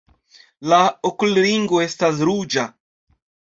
La okulringo estas ruĝa.